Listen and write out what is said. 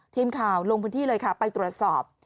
ทีมข่าวลงพื้นที่เลยค่ะไปตรวจสอบ